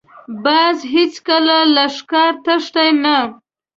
باز هېڅکله له ښکار تښتي نه